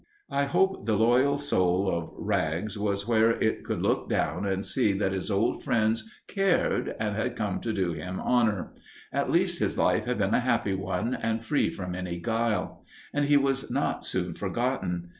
I hope the loyal soul of Rags was where it could look down and see that his old friends cared and had come to do him honor. At least his life had been a happy one and free from any guile. And he was not soon forgotten.